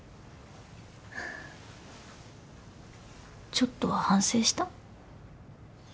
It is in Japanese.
ちょっとは反省した？